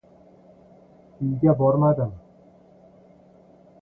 Uyga bormadim.